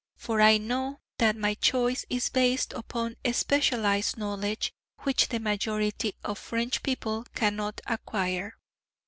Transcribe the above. For I know that my choice is based upon specialised knowledge which the majority of French people cannot acquire.